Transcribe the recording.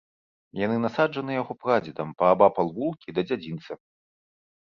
Яны насаджаны яго прадзедам паабапал вулкі да дзядзінца.